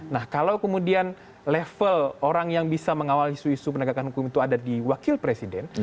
nah kalau kemudian level orang yang bisa mengawal isu isu penegakan hukum itu ada di wakil presiden